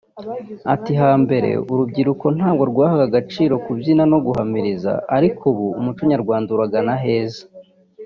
Ati “ Hambere urubyiruko ntabwo rwahaga agaciro kubyina no guhamiriza ariko ubu umuco nyarwanda uragana aheza